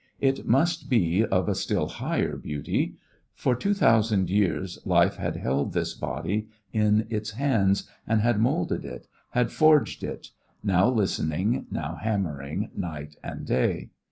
It must be of a still higher beauty. For two thousand years life had held this body in its hands and had moulded it, had forged it, now listening, now hammering, night and day.